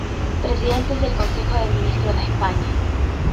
Presidentes del Consejo de Ministros de España